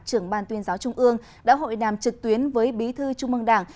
trưởng ban tuyên giáo trung ương đã hội đàm trực tuyến với bí thư trung mương đảng